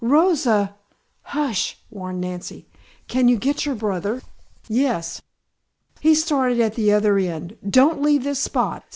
"Rosa " "Hush," warned Nancy. "Can you get your brother?" "Yes. He started at the other end. Don't leave this spot.